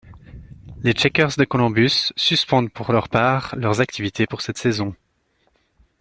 Les Checkers de Columbus suspendent pour leur part leurs activités pour cette saison.